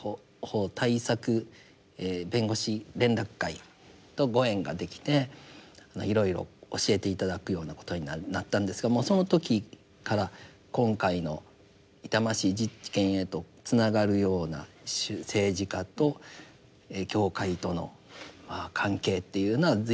弁護士連絡会とご縁ができていろいろ教えて頂くようなことになったんですがもうその時から今回の痛ましい事件へとつながるような政治家と教会との関係っていうのは随分議論をされておりました。